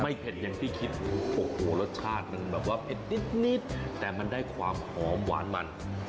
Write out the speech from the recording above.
เผ็ดอย่างที่คิดโอ้โหรสชาติมันแบบว่าเผ็ดนิดแต่มันได้ความหอมหวานมัน